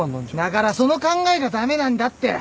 だからその考えが駄目なんだって！